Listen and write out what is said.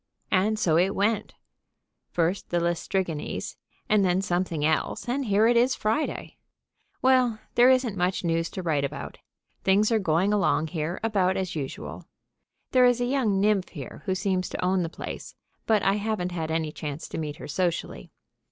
And so it went, first the Læstrygones, and then something else, and here it is Friday. Well, there isn't much news to write about. Things are going along here about as usual. There is a young nymph here who seems to own the place, but I haven't had any chance to meet her socially.